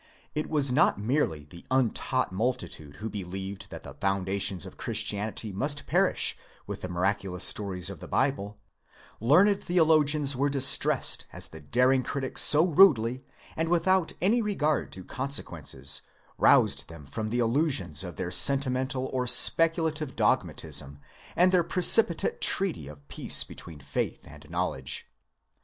It was not merely the untaught multitude who believed that the foundations of Christianity must perish with the miraculous stories of the Bible; learned theologians were distressed as the daring critic so rudely,'and without any regard to conse quences, roused them from the illusions of their senti mental or speculative dogmatism and their precipi tate treaty of peace between faith and knowledge.